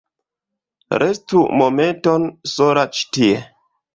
Restu momenton sola ĉi tie.